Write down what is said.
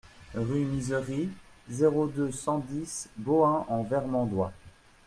Rue Misery, zéro deux, cent dix Bohain-en-Vermandois